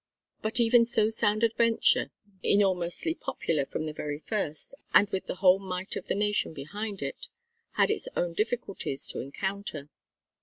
But even so sound a venture, enormously popular from the very first and with the whole might of the nation behind it, had its own difficulties to encounter.